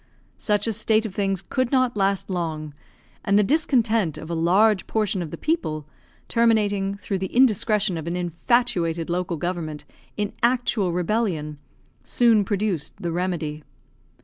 Such a state of things could not last long; and the discontent of a large portion of the people, terminating, through the indiscretion of an infatuated local government, in actual rebellion, soon produced the remedy.